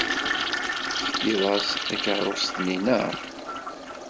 Tefkid-as takeṛṛust-nni, naɣ?